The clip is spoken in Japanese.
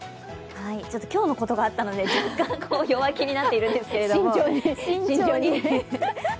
今日のことがあったので若干弱気になっているんですけど慎重に。